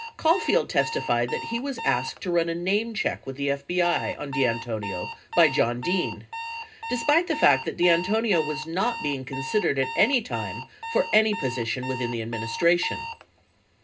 Caulfield testified that he was asked to run a name check with the FBI on DeAntonio by John Dean, despite the fact that DeAntonio was not being considered at anytime for any position within the administration.